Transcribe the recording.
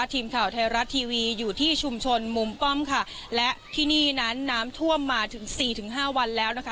ทีมข่าวไทยรัฐทีวีอยู่ที่ชุมชนมุมกล้องค่ะและที่นี่นั้นน้ำท่วมมาถึงสี่ถึงห้าวันแล้วนะคะ